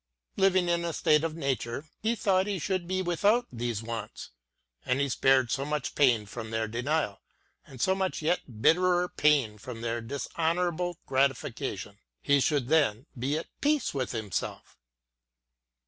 Living in a State of Nature, he thought he should be without these wants ; and be spared so much pain from their denial, and so much yet bitterer pain from their dishonur able gratification; — he should then be at peace tvith himself.